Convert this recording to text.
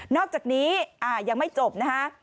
นอกจากนี้อ่ายังไม่จบนะฮะ